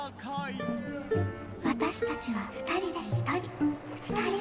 私たちは二人で一人。